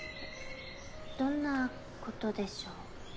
どんなことでしょう？